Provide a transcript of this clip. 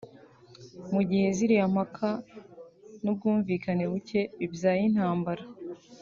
Mu gihe ziriya mpaka n’ubwumvikane buke bibyaye intambara